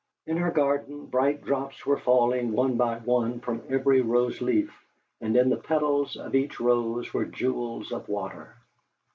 In her garden bright drops were falling one by one from every rose leaf, and in the petals of each rose were jewels of water.